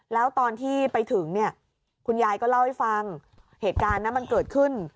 แล้วตอนที่ไปถึงเนี่ยคุณยายก็เล่าให้ฟังเหตุการณ์นั้นมันเกิดขึ้น